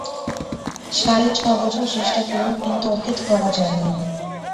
সাড়ে ছ বছর চেষ্টা করেও কিন্তু ওকে ধরা যায় নি।